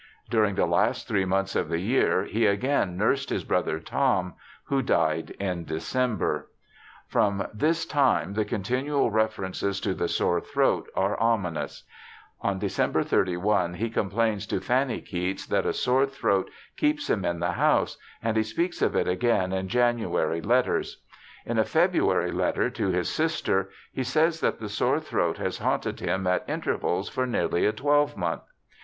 During the last three months of the year he again nursed his brother Tom, who died in December. From this time the continual references JOHN KEATS 51 to the sore throat are ominous. On December 31 he complains to Fanny Keats that a sore throat keeps him in the house, and he speaks of it again in January letters. In a February letter to his sister he says that the sore throat has haunted him at intervals for nearly a twelvemonth.